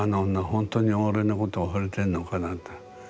本当に俺のことほれてんのかな」って